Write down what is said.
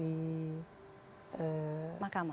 hai eh makamu